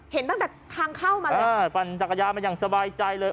เห็นตั้งแต่ทางเข้ามาแล้วเออปั่นจักรยานมาอย่างสบายใจเลย